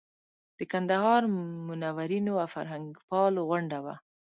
د کندهار منورینو او فرهنګپالو غونډه وه.